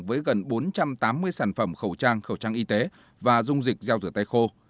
với gần bốn trăm tám mươi sản phẩm khẩu trang khẩu trang y tế và dung dịch gel rửa tay khô